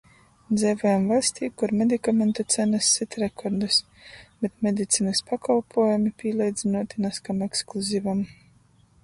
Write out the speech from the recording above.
Dzeivojam vaļstī, kur medikamentu cenys syt rekordus, bet medicinys pakolpuojumi pīleidzynuoti naz kam ekskluzivam...